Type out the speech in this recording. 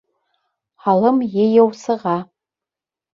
Һалым йыйыусыға.